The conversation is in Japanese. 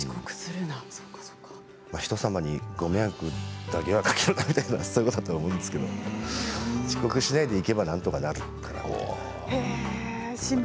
人様にご迷惑だけはかけるなよってそういうことだと思うんですけど遅刻しないでいけばなんとかなると言われました。